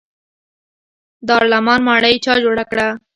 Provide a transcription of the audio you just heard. دارالامان ماڼۍ چا جوړه کړه؟